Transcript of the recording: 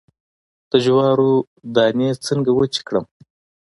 د جوارو دانی څنګه وچې کړم؟